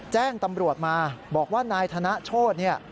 แจ้งตำรวจมาบอกว่านายธนโชฑ์